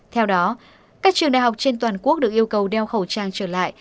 theo đó các trường đại học trên toàn quốc được yêu cầu đeo khẩu trang trở lại